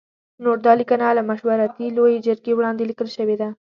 نوټ: دا لیکنه له مشورتي لویې جرګې وړاندې لیکل شوې ده.